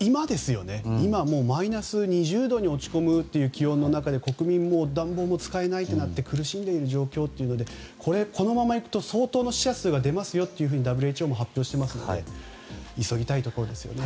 今、もうマイナス２０度に落ち込むという気温の中で国民も暖房も使えないという中で苦しんでいる状況でこのままいくと相当な死者数が出ますよとＷＨＯも発表していますので急ぎたいところですよね。